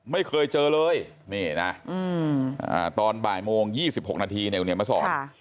ไม่เคยเจอเลยนี่นะตอนบ่ายโมง๒๖นาทีเนี่ยคุณเหนียวมาสอน